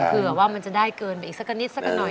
เผื่อว่ามันจะได้เกินไปอีกสักนิดสักกันหน่อย